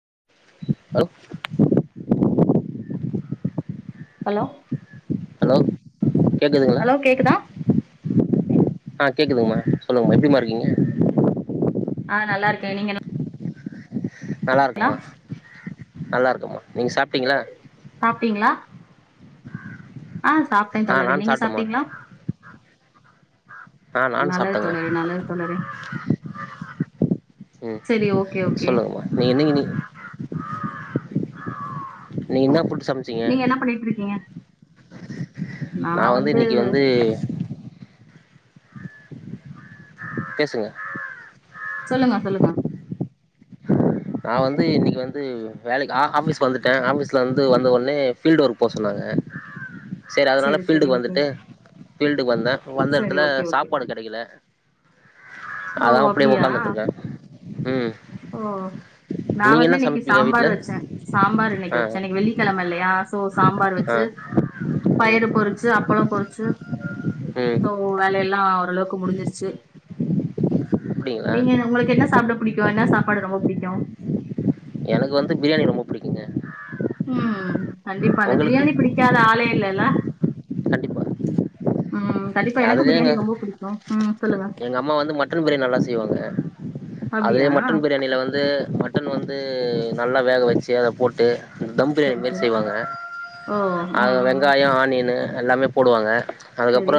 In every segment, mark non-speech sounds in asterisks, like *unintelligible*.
*inaudible* Hello hello கேக்குதுங்ளா hello கேக்குதா ஆ கேக்குதுங் ம்மா சொல்லுங் ம்மா எப்டிமா இருக்கீங்க ஆ நல்லாருக்கே நீங்க என் நல்லாருக்க ம்மா நல்லாருக்க ம்மா சாப்ட்டீங்ளா ஆ சாப்ட்டே ஆ தோழரே நான் நீங்க சாப்ட்டம்மா சாப்ட்டீங்ளா ஆ நானு சாப்ட்டேங்க தோழரே நல்லது தோழரே ம் செரி ஓகே ஓகே சொல்லுங்கமா நீங்க என்னங்க *unintelligible* நீ ஓ என்னா போட்டு சமைச்சீங்க நீங்க என்ன பண்ணிட்டு இருக்கீங்க நா வந்து இன்னைக்கு வந்து பேசுங்க சொல்லுங்க சொல்லுங்க நா வந்து இன்னைக்கு வந்து வேலைக்கு ஆ ஆஃபீஸ் வந்துட்டே ஆஃபீஸ்ல வந்து வந்த ஒடனே ஃபீல்டு ஒர்க் போ சொன்னாங்க சரி அதனால செரி செரி ஃபீல்டுக்கு ஓகே வந்துட்டு ஃபீல்டுக்கு வந்தே வந்த செரி எடத்துல ஓகே ஓகே சாப்பாடு கெடைக்கல ஓ அதா அப்படியே அப்டியா உக்காந்துட்டு இருக்கே ம் ஓ நா நீங்க வந்து என்ன இன்னைக்கு சமைப்பீங்க சாம்பார் வீட்ல வச்சே சாம்பார் இன்னைக்கு ஆ வச்சே இன்னைக்கு வெள்ளிக்கிழமை இல்லையா சோ சாம்பார் வச்சு ஆ ம் பயரு பொறிச்சு அப்பளம் பொறிச்சு ம் சோ வேலையெல்லா ஓளவுக்கு முடிஞ்சிருச்சு அப்படிங்களா நீங்க உங்களுக்கு என்ன சாப்ட பிடிக்கு என்னா சாப்பாடு ரொம்ப புடிக்கு எனக்கு வந்து பிரியாணி ரொம்ப புடிக்குங்க ம் கண்டிப்பா அந்த பிரியாணி பிடிக்காத ஆளே இல்லல்ல கண்டிப்பா ம். கண்டிப்பா எனக்கு அதுலேயேங்க பிரியாணி ரொம்ப புடிக்கும் எங்க அம்மா வந்து மட்டன் பிரியாணி நல்லா செய்வாங்க அப்படியா? அதுலயே மட்டன் பிரியாணியில வந்து மட்டன் வந்து நல்லா வேக வச்சு அத போட்டு இந்த தம் பிரியாணி சரி, மாரி சரி. செய்வாங்க ஓ! ம், அது ம். வெங்காயம் ஆனியனு எல்லாமே போடுவாங்க சரி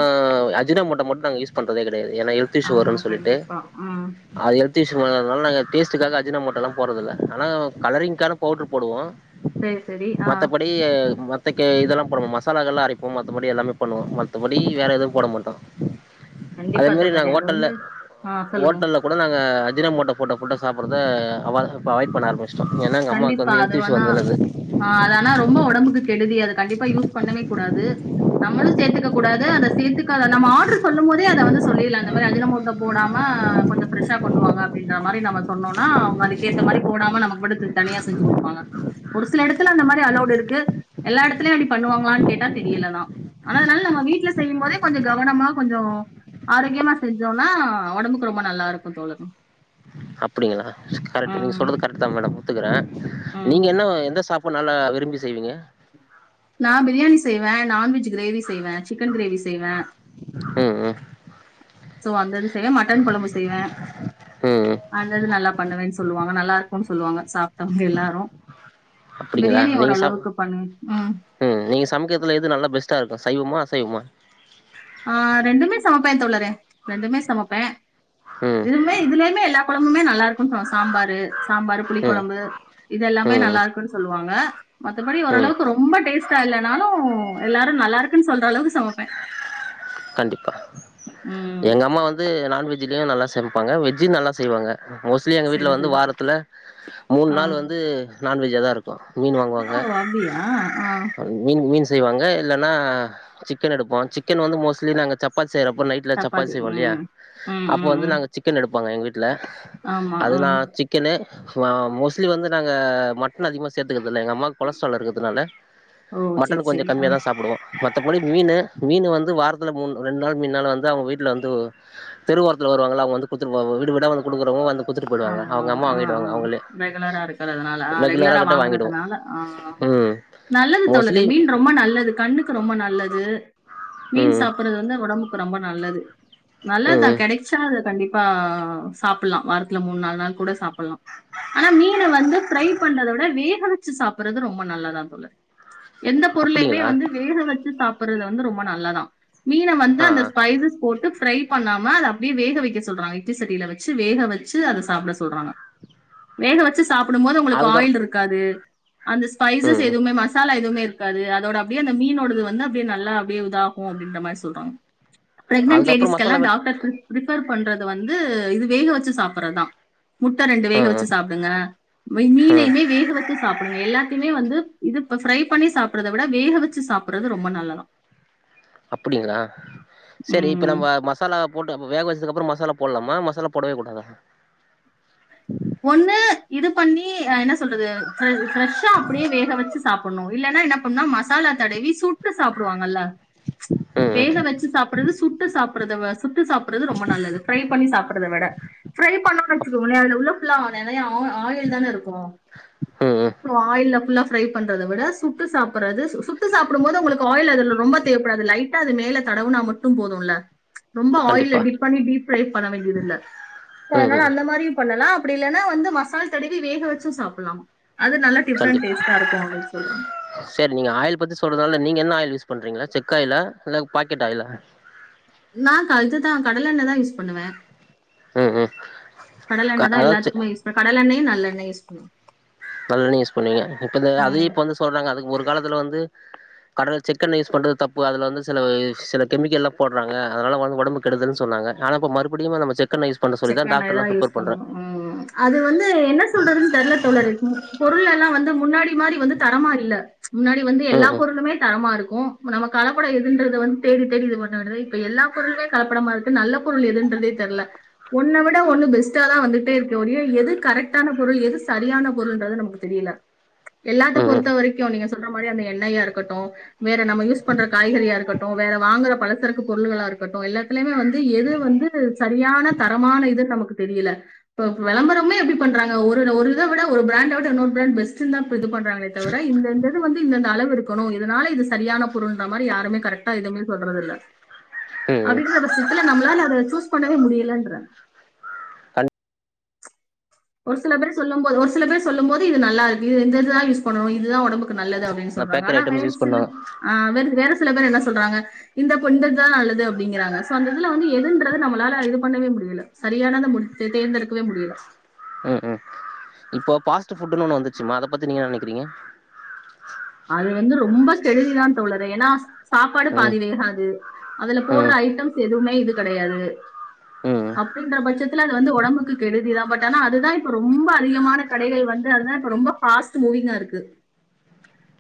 அஜினமோட்டா மட்டு நாங்க யூஸ் பண்றதே கிடையாது ஏனா ஹெல்த் இஷூ ஆமா, வருன் சொல்லிட்டு கண்டிப்பா. ம். அது ஹெல்த் த் இஷு வரதனால நாங்க டேஸ்ட்டுக்காக அஜினமோட்டாலா போறதில்ல ஆனா கலரிங்கான பௌட்ரு போடுவோ சரி, சரி. ஆ. மத்தபடி த்த கே இதெல்லா போடுவோ மசாலாகள் எல்லா அரப்போம் மத்தபடி எல்லாமே பண்ணுவோம் மத்தபடி வேற எதுவு போட மாட்டோம் அதே கண்டிப்பா மாரி தோழரே. நாங்க அது ஹோட்டல்ல வந்து ஆ சொல்லுங்க. ஹோட்டல்ல கூட நாங்க அஜினமோட்டோ போட்ட ஃபுட்ட சாப்பறத அவா அவாய்ட் பண்ண ஆரமிச் கண்டிப்பா அது வேனா ஆ அது ஆனா ரொம்ப ஒடம்புக்கு கெடுதி அத கண்டிப்பா யூஸ் பண்ணவே கூடாது நம்மளு சேத்துக்கக் கூடாது அத சேத்துக்க நம்ம ஆர்டரு சொல்லும் போதே அத வந்து சொல்லிலா அந்த மாரி அஜினமோட்டோ போடா மா கொஞ்சம் ப்ரெஷா கொண்டுவாங்க அப்படின்ற மாரி நம்ம சொன்னோனா அவங்க அதுக்கேத்த மாரி போடாம நமக்கு மட்டு தனியா செஞ்சு கொடுப்பாங்க ஒரு சில எடத்துல அந்த மாரி அலோடு இருக்கு எல்லா எடத்துலயும் அப்படி பண்ணுவாங்களான்னு கேட்டா தெரியல தா ஆனா அதனால நம் ம வீட்ல செய்யும் போதே கொஞ்சோ கவனமா கொஞ்சோ ஆரோக்கியமா செஞ்சோனா ஒடம்புக்கு ரொம்ப நல்லாருக்கு தோழர் அப்படிங்களா கரெக்ட் நீங்க உம் சொல்றது கரெக்ட் தா மேடம் ஒத்துக்குறே உம் நீங்க என்ன எந்த சாப் ப்போ நல்லா விரும்பி செய்வீங்க நா பிரியாணி செய்வே நான்வெஜ் கிரேவி செய்வே சிக்கன் கிரேவி செய்வே ம் ம் சோ அந்தது செய்வே மட்டன் கொழம்பு செய்வே ம் ம் அந்தது நல்லா பண்ணுவேன் சொல்லுவாங்க நல்லா ருக்குன் சொல்லுவாங்க சாப்ட்டவங்க எல்லாரு அப்படிங்களா பிரியாணி நீங்கள் சாப் ஓரளவுக்கு பண் ம் ம் நீங்க சமைக்கிறதுல எது நல்ல பெஸ்ட்டா இருக்கு சைவமா அசைவமா ஆ ரெண்டுமே சமைப்பே தோழரே ரெண்டுமே சமைப்பே ம் இதுவுமே இதுலருந்தே எல்லா கொழம்புமே நல்லா இருக்குன் சொல்ல சாம்பாரு சாம்பாரு ம் புளிகொழம்பு இது எல்லாமே ந ல்லா ம் இருக்குன்னு சொல்லுவாங்க மத்தபடி ம் ஓரளவுக்கு ரொம்ப டேஸ்டா இல்லைனாலு எல்லாரு நல்லா இருக்குன்னு சொல்ற அளவுக்கு சமைப்பே கண்டிப்பா ம் எங்க அம்மா வந்து நான்வெஜ்லயு நல்லா செமப்பாங்க வெஜ்ஜு நல்லா செய்வாங்க மோஸ்ட்லி எங்க சரி வீட்ல வந்து சரி சரி. வாரத்துல மூணு ஆ நாள் வந்து நான்வெஜ்ஜா தா இருக்கு மீன் ஓ வாங்குவங்க அப்படியா ஆ மீ மீன் செய்வாங்க இல்லைன்னா சிக்கன் எடுப்போ சிக்கன் வந்து மோஸ்ட்லி நாங்க சப்பாத் செய்ற அப்போ நைட்ல சப்பாத்தி செய்வோ இல்லையா ம் அப்போ ம் வந்து ம் நாங்க சிக்கன் எடுப்பாங்க எங்க வீட்ல ஆமா அது ஆ நா சிக்கனு மோஸ்ட்லி வந்து நாங்க மட்டன் அதிகமா சேர்த்துக்கறது இல்ல எங்க அம்மாவுக்கு கொலஸ்ட்ரால் இருக்குறதுனால ஓ சரி மட்டன் கொஞ்சம் சரி ஆ கம்மியா தான் சாப்பிடுவோம் மத்தபடி மீன் மீன் வந்து வார மூ ரெண்டு நாள் ம நாள் வந்து அவங்க வீட்டுல வந்து தெருவரத்தில் வருவா அவ *unintelligible* ங்க வ வி விட வ கொடுக்குறவங்க ஆமா ஆஹ் ஆஹ் ரெகுலரா இருக்கறதுனால ஆஹ் ரெகுலரா கிட்ட வாங்கிடுவோ வாங்கறதுனால ஆஹ் ம் நல்லது தோழரே மோஸ்ட்லி மீன் ரொம்ப நல்லது கண்ணுக்கு ரொம்ப நல்லது மீன் ம் சாப்பிடுறது வந்து உடம்புக்கு ரொம்ப நல்லது நல்லது ம் தான் கிடைச்சா அத கண்டிப்பா அப்ப சாப்பிடலாம் வார மூணு நாள் நாள் கூட சாப்பிடலாம் ஆனா மீனை வந்து ஃபிரை பண்றத விட வேக வச்சு சாப்பிடுறது ரொம்ப நல்ல நல்லாதான் சொல்றேன் எந்த பொருளையுமே அப்டிங்களா வந்து வேக வச்சு சாப்பிடுறது வந்து ரொம்ப நல்லதான் மீனை வந்து ஆ அந்த ஆ ஸ்பைசஸ் போட்டு ஃப்ரை பண்ணாம அதை அப்படியே வேக வைக்க சொல்றா இட்லிச்சட்டியில வச்சு வேக வை வ அதை சாப்பிட சொல்றாங்க வேக வச்சு சாப்பிடும் போோது *unintelligible* உங்களுக்கு அதுக்கப் ஆயில் இருக்காது அந்த ஸ்பைசஸ் ம் எதுவுமே மசாலா எதுவுவும் இருக்காது அதோட அப்படியே அந்த மீனோடது வந்து அப்படியே நல்லா அப்படியே இதாகும் அப்படின்ற மாதிரி சொல்றாங்க பிரெக்னன்ட் அதுக்கப்றோ மசாலா லேடிஸ்கெல்லாம் வெட் டாக்டர்ரெஃபர் பண்றது வந்து இது வேக வச்சு சாப்படுறதான் முட்டை ரெண்டு வேக ம் வச்சு ம் சாப்பிடுங்க ம் மீனையுமே வேக வச்சு சாப்பிடுங்க எல்லாத்தையுமே வந்து இது இப்ப ஃரை பண்ணி சாப்படுறதை விட வேக வச்சு சாப்பிறது ரொம்ப நல்லதான் அப்படிங்களா சரி இப்போ உம் நம்ம மசாலா போட்டு வேக வச்சதுக்க அப்புறம் மசாலா போடலாமா மசாலா போடவே கூடாதா ஒண்ணு இது பண்ணி என்ன சொல்றது ஃபிரரெஷ்ஷா அப்படியே வேக வச்சு சாப்பிடணும் இல்லேன்னா என்ன பண்ணும் மசாலா தடவி சுட்டு சாப்பிடுவாங்கல்ல ம் வேக வச்சு சாப்படுறது சுட்டு சாப்பிறத சுட்டு சாப்பிடுறது ரொம்ப நல்லது ஃபிரை பண்ணி சாப்ப விட ஃபிரை பண்ணனு வச்சுக்கோா உப்புலாம் நிறைய ஆயில் தான இருக்கும் ம் ம் ம் ஆயில்ல ஃபுல்லா ஃபிரை பண்றத விட சுட்டு சாப்படுறது சுட்டு சாப்பிடும்போது உங்களுக்கு ஆயில் அதில ரொம்ப தேவைப்படாது லைட்டா அது மேல தடவுனா மட்டும் போதும்ல ரொம்ப ஆயில்ல கண்டிப்பா டிப் பண்ணி டீப் ஃபிரை பண்ண வேண்டியதில்ல ம் அதனால ம் அந்த மாதிரியும் பண்ணலாம் அப்படி இல்லைன்னா வந்து மசால் தடவி வேக வச்சும் சாப்பிடலாம் அது நல்ல சண்டி டிஃப்ரெண்ட் டேஸ்டா இருக்கும் அப்படின்னு சொல்றாங்க சரி நீங்க ஆய பத்தி சொல்றதுனால நீங்க *unintelligible* என்ன ஆய பண்றீங்களா செக்காயிலா *unintelligible* அல்ல பாக்கெட் ஆலா நான் கழத்து தான் கடல எண்ணெ தான் பண்ணுவேன் ம் ம் கடல எண்ணெ தான் அதாச்சு எல்லாத்துக்குமே யூஸ் பண்ணுவேன் கடல் எண்ணையும் நல்லெண்ணெயும் நல்ல யூஸ் பண்ணன் *unintelligible* நல்லன்னு யூஸ் பண்ணுவீங்க இப்ப இந்த அததுையும் இப்ப *unintelligible* வந்து சொல்றாங்க அதுக்கு ஒரு காலத்துல வந்து கடல சிக்கன் யூஸ் பண்ணுறது தப்பு அ அதில் வந்து *unintelligible* சில சில கெமிக்கல்லாம் போடுறாங்க அதனால வந்து உடம்பு கெடுததுன்னு சொன்னாங்க ஆனாப்ப மறுபடியும் நாம செக் செக்கண்ணதான் யூஸ் பண்ணணும் உம் அது வந்து என்ன சொல்றதுன்னு தெரல தோழறிக்கும் பொருள் எல்லாம் வந்து முன்னாடி மாதிரி வந்து தரமா இல்லே முன்னாடி வந்து எல்லா ம் ம் பொருளுமே தரமா இருக்கும் நம்ம கலப்படம் எத வந்து தேடி தேடிது பண்ண எல்லா பொரள *unintelligible* கலப்படமா இருக்கு நல்ல பொருள் எதர் பண்றதே தெரல ஒன்னனை விட ஒண்ணு பெஸ்ட்டா தான் வந்துட்டே இருக்க ஒ எது கரெக்ட்டான பொருள் எது சரியான பொருள்ன்றது நமக்கு தெரியல எல்லாத்த ம் பொறுத்த வரைக்கும் நீங்க சொன்ன மாதிரி அந்த *unintelligible* எண்ணெயா இருக்கு இருக்கட்டும் வேற நம்ம யூஸ் பண்ற காய்கறியா இருக்கட்டும் வேற வாங்கற பலசரக்கு பொருள்களா இருக்கட்டும் எல்லாத்திலுமே வந்து எது வந்து சரியா *unintelligible* ன தரமான இது நமக்கு தெரியல இ விளம்பரமே எப்படி பண்றாங்க *unintelligible* ஒரு ஒரு இதை விட ஒரு பிராண்ட விடோ பெஸ்ட் இது பண்றாங்களே தவிர இந்த வந்து இந்த அளவு இருக்கணும் இதனால இது சரியான பொருள் மாதிரி ய யாருமே கரெக்டா எதுவுமே சொல்றதில்ல ம் ம் அப்படீங்கறபக்ஷத்துல நம்மளால அத சூஸ் பண்ணவே முடியல என்று ஒரு சில பேர் சொல்லும் போது ஒரு சில பேர் சொல்லும் போது இது நல்லா இருக்கு இது இந்த இதான் யூஸ் பண்ணணும் இதுதான் உடம்புக் கு நல்லது அப்படின்னு கண்டிப்பா சொல்றாங்க பேக்கரி ஆனா ஐட்டம்ஸ் வேற யூஸ் சில பண்ணுவாங்க ஆஹ் வேற சில பேர் என்ன சொல்றாங்க இந்த பொண் இந்தத்தா நல்லது அப்படிங்கறாங்க சோ அந்த இதுல வந்து எதுன்றது நம்மளால இது பண்ணவே முடியல சரியானத முடி தேர்ந்தெடுக்கவே முடியல ம் ம் இப்போ பாஸ்புட்டுன்னு ஒண்ணு வந்துச்சுமா அத பத்தி நீங்க என்ன நினைக்கிறீங்க அது வந்து ரொம்ப கெடுதிதான் தோழரே ஏன்னா சாப்பாடு ம் பாதி வேகாது அதுல போடுற ம் ஐட்டம்ஸ் எதுவுமே இது கிடையாது ம் அப்படின்ற பட்சத் துல அது வந்து உடம்புக்கு கெடுதிதான் பட் ஆனா அதுதான் இப்ப ரொம்ப அதிகமான கடைகள் வந்து அதுதான் இப்ப ரொம்ப ஃபாஸ்ட்டு மூவ் விங்கா இருக்கு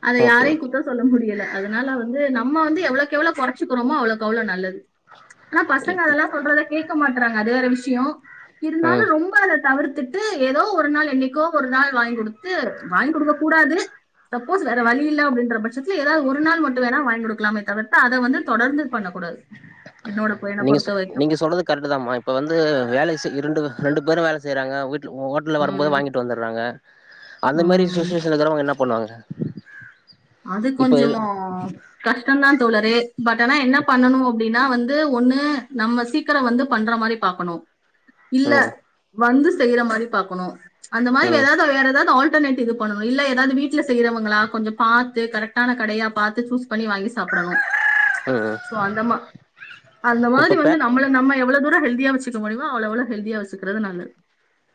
அத ஓகே யாரையும் ஓகே குத்தோ சொல்ல முடியல அதனால வந்து நம்ம வந்து எவ்ளோக்கெவ்ளோ குறைச்சுக்கிறோமோ அவ்ளோக்கவ்ளோ நல் லது ஆனா பசங்க அதெல்லாம் சொல்றத கேட்க மாட்டறாங்க அது வேற விஷயோம் ம் இருந்தாலும் ரொம்ப அத தவிர்த்துட்டு ஏதோ ஒரு நாள் என்னைக்கோ ஒரு நாள் வாங்கி கொடுத்து வாங்கி கொடுக்க கூடாது சப்போஸ் வேற வழி இல்ல அப்படின்ற பட்சத்துல ஏதாவது ஒரு நாள் மட்டு வேணா வாங்கி கொடுக்கலாமே தவிர்த்து அத வந்து தொடர்ந்து பண்ணக்கூட டாது நீங்க சொ நீங்க சொல்றது கரெக்ட்டு தமா இப்ப வந்து வேலை செ இரண்டு ரெண்டுப் பேரு வேலை செய்யறாங்க வீட்ல ஹோட்டல வரும்போது உம் வாங்கிட்டு வந்துடுறாங்க அந்த மாரி உம் ஸுஸ்சுவேஷன்லகிரவங்க என்னப் பண்ணுவாங்க அது இப்ப கொஞ்சோ இரு கஷ் டதான் தோழரே பட் ஆனா என்ன பண்ணனு அப்டின்னா வந்து ஒண்ணு நம்ம சீக்கிரம் வந்து பண்ற மாரி பா பாக்கணும் இல்ல ம் வந்து செய்ற மாரி பாக்கணு அந்த மாரி வேற ம் எதாது வேற ஏதாவது ஆல்டர்னேட் இது பண்ணணும் இல்ல ஏதாவது வீட்ல செய்ய ரவங்களா கொஞ்சம் பாத்து கரெக்டான கடையா பாத்து சூஸ் பண்ணி வாங்கி சாப்டணும் ம் சோ அந்தம்மா அந்த மாதிரி இப்ப பே வந்து நம்மல நம்ம எவ்ளோ தூர ஹெல்தியா வச்சுக்க முடியுமோ அவ்ளோ அவ்ளோ ஹெல்தியா வச்சுக்கிறது நல்லது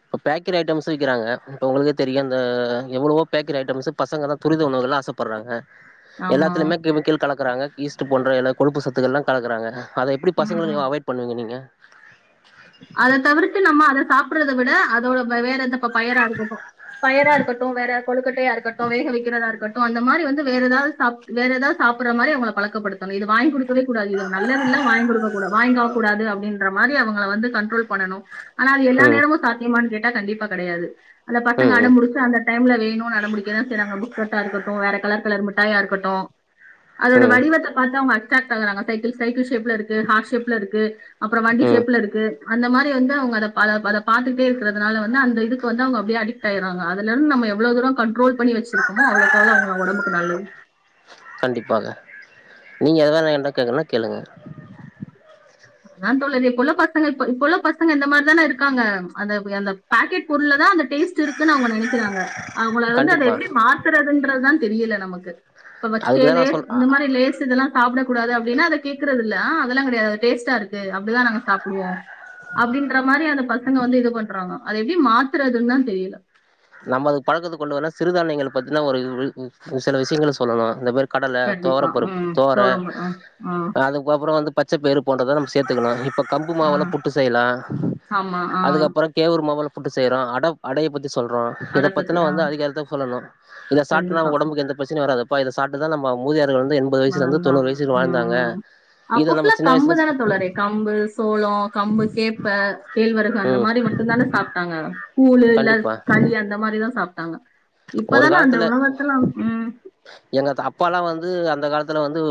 இப்ப பேக்கெட் ஐட்டம்ஸ் விக்கிறங்க இப்ப உங்களுக்கே தெரியும் இந்த எவ்ளவோ பேக்கட் ஐட்டம்ஸ் பசங்கல்லா தான் துரித உணவுகல்லாம் ஆசைப்படுறாங்க ஆமா. எல்லாத்துலயுமே கெமிக்கல் கலக்குறாங்க ஈஸ்ட் போன்ற எல்லா கொழுப்பு சத்துக்கல்லாம் கலக்குறாங்க அத எப்டி பசங்களுக் ம். நீங்க அவாய்ட் பண்ணுவீங்க நீங்க அதை தவிர்த்து நம்ம அதை சாப்டுறத விட அதோட வேற எந்த பயரா இருகட்டும் பயரா இருக்கட்டு வேற கொழுக்கட்டையா இருக்கட்டு வேக வைக்கிறதா இருக்கட்டு அந்த மாரி வந்து வேறஎதாது சாப் வேற ஏதாவுது சாப்ட் சாப்டற மாரி அவங்கள பழக்கப்படுத்னும் இது வாங்கி கொடுக்கவே கூடாது இது நல்லது இல்ல வாங்கிக்குடுக்க கூடா வாய்ங்கக் கூடாது அப்டின்ற மாரி இது அவங்கள வந்து கண்ட்ரோல் பண்ணணும் ஆனா அது எல்லா ம் நேரமும் சாத்தியமானு கேட்டா கண்டிப்பா கிடையாது அது பசங்க ம் அடம்புடுச்சு அந்த டை டைம்ல வேணும் அடம்புடிக்க தான் செய்றாங்க பிஸ்கட்டா இருக்கட்டும் வேற கலர் கலர் மிட்டாயா இருக்கட்டும் அதோட ம் வடிவத்தை பாத்த அவங்க அட்ராக்ட் ஆகுறாங்க சைக்கிள் சைக்கிள் ஷேப்ல இருக்கு ஹார்ட் ஷேப்ல இருக்கு அப்பறம் வண்டி ம் சேப்ல இருக்கு அந்த மாரி வந்து அவுங்க அத அத பாத்துக்கிட்டே இருக்கறதுனால வந்து அந்த இதுக்கு வந்து அவுங்க அப்படியே அடிக்ட் ஆயிடுட்ராங்க அதல இருந்து நம் ம எவ்ளோ தூரம் கண்ட்ரோல் பண்ணி வச்சிருக்கமோ அவ்ளோக் அவளோ அவுங்கள வொடம்புக்கு நல்லது கண்டிப்பாக நீங்க எதா வேற என்ட்ட கேக்கனுன்னா கேளுங்க அதான் தோழரே இப்ப உள்ள பசங்க இப்ப உள்ள பசங்க இந்த மாரிதானே இருக்காங்க அந்தவுப் அந்த பாக்கெட் பொருள தான் அந்தடேஸ்ட் இருக்குன்னு அவுங்க நினைக்கிறாங்க அவங்கள வந்து அத கண்டிப்பா எப்டி மாத்துறதுன்றதுதான் தெரியல நமக்கு இப்ப ஃபர்ஸ்ட் அதுக்குதா நா லேஸ் சொல் அ இந்த மாரி லேஸ் இதெல்லாம் சாப்ட கூடாது அப்டினா அத கேடக்குறதுல்ல ஆஹ் அதல்லாம் கிடையாது டேஸ்ட்டா இருக்கு அப்டிதான் நாங்க சாப்டுவோம் அப்டின்ற மாரி அந்த பசங்க வந்து இது பண்றாங்க அத எப்டி மாத்துறதுன்னு தான் தெரியல நம்ம அது பழக்கத்தைக்கு கொண்டு வரன்னா சிறுதானயங்கள பத்தினா ஒரு *unintelligible* சில விஷயங்கள சொல்லலாம் இந்த மாரி கடல கண்டிப்பா தோரபருப்பு உம் தோர தோரம்பரம் ஆ அதுக்கப்பறம் வந்து பச்சைப்பயறு போன்றத நம்ம சிக் சேர்த்தக்கணும் இப்ப கம்பு ஆ மாவுல புட்டு செய்யலாம் ஆமா ஆ அதுக்கப்பறம் கேவுரு மாவுல புட்டு செய்றோம் அடப் அடைய பத்தி சொல்றோம் இதை அடப்பத்தி பத்தின ஆ வந்து அதிக ஹெல்த்த சொல்லனும் இதை சாப்ட்னா கண்டிப்பா உடம்புக்கு எந்த பிரச்சனைையும் வராது அப் பா இத சாப்ட்டு தா நம்ப மூதியார் ப்ப வந்தாங்க‌ உம் இத அப்ப நம்ம ஃபுல்ல சின்ன கம்பு வயசுல தானே தொழறே கம்பு சோளோ கம்பு கேப்ப கேழ்வரகு அந்த ம் மாரி ப்டிதானே சாப்ட்டாங்க கூழு இல்ல கண்டிப்பா களி அந்த மாரிதா சாப்ட்டாங்க ஒரு காலத்துல எங்க தாப்பாலா வந்து அந்த காலத் துல வந்து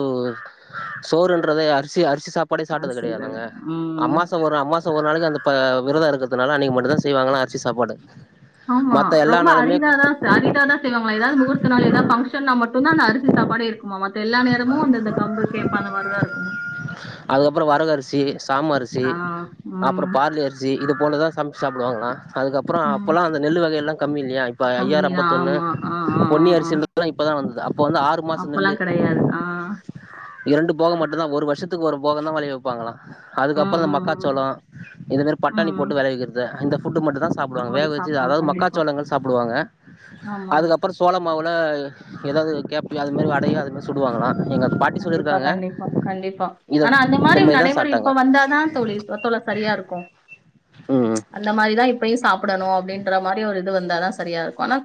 சோர் என்றதே அரிசி அரிசி சாப்பாடே அரசுன்றது சாப்ட்டதுகிடையாதங்க உம் அம்மாச ஒரு அம்மாச ஒரு நாளைக்கு அந் ப விர்தம் இருக்கறனால அன்னைக்கு மட்டு தா செய்வாங்களலா அரிசி சாப்பாடு ஆமா மத்த எல்லா ரொம்ப நாளுமே அரிதாதா அரிதா தா செய்வாங்கள ஏதாது முகூர்த்த நாளு ஏதாது பஃங்ஷன்னா மட்டும்தா அரிச சாப்பாடு இருக்குமா மித்த எல்லா நேரமு அந்த கம்பு கேப்ப அந்த மாரி தா இருக்கு அதுக்கப்றோ வரகரிசி சாமரிசி ஆ. அப்றோ ம். பார்லிஅரிசி இது போலதா சம் சாப்டுவாங்களா அதுக்கப்றோ ம். அப்போல்லா அந்த நெல்லு வகையெல்லா கம்மி இல்லையா இப்ப ஐயாறு கம்மி தான். ஐம்பத்தொண்ணு ஆமா. ஆ, ஆ, ஆ, பொன்னி ஆ. அரிசி இப்பதா வந் இப்ப வந்து ஆறுமாச நெல்லு அப்பல்லாம் கிடையாது. ஆ. இரண்டு போகம் மட்டும்தா ஒரு வருஷத்துக்கு ஒரு போகதா வலெயவைப்பாங்களா அதுக்கப்றோ ம், இந்த ம், ம். மக்காச்சோளோ இது மாரி பட்டாணி ம். போட்டு வெளவிக்கிறது இந்த ஃபுட்டு் மட்டு தா சாப்டுவாங்க நம்மளு வேக வச்சு சாப்ட்டாங்க. அதாது கண்டிப்பா. மக்காசோளங்கள் சாப்புடுவாங்க ஆமா. அதுக்கப்றோ சோள மாவு யு ஏதாவது கேப்யு அதுமாரி அடையு அதுமாரி சுடுவாங்களலா கண்டிப்பா கண்டிப்பா கண்டிப்பா இத ஆனா அந்த இத மாரி மாரிதா நடைமுறை சாப்ட்டாங்க இப்ப வந்தாதா தொழிர் தோழர் சரியா இருக்கு ம் அந்த மாரிதா இப்பயு சாப் டணு அப்டின்ற மாரி ஒரு இது வந்த தா சரியா இருக்கு ஆனா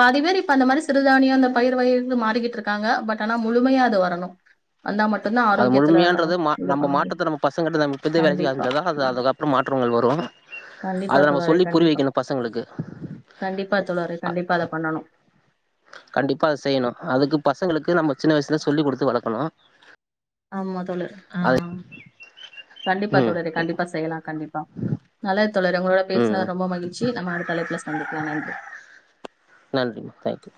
பாதி பேர் இ அந்த மாரி சிறுதானியொ அந்த பயிர்வகைகள்ல மாறிக்கிட்டு இருக்காங்க பட் ஆனா முழுமையா அது வரணு வந்தா மட்டுந்தா அது ஆரோக்கியத்துல முழுமையான்றது மா இது நம்ம பண்ண முடியு மாற்றத்த நம்ம பசங்கிட்ட நம்ம இப்போத வேலைக்த கண்டிப்பா அது அத தா அதுக்கப்றோ மாற்றங்கள் வரு கண்டிப்பா அத நம்ம தோழரே சொல்லி கண்டிப்பா புரியவைக்கணு பசங்களுக்கு கண்டிப்பா தோழரே கண்டிப்பா அத பண்ணணு கண்டிப்பா அத செய்யணு அதுக்கு பசங்களுக்கு நம்ம சின்ன வயசுல சொல்லிக் கொடுத்து வளக்கணு ஆமா தொழர் ஆ அது கண்டிப்பா ம் தொழரே கண்டிப்பா செய்யலா கண்டிப்பா நல்லா தோழரே உங்களோட ம் பேசுனது ரொம்ப மகிழ்ச்சி நம்ம அடுத்த அழைப்புல சந்திக்கலா நன்றி நன்றிம்மா தயிங்க்யூ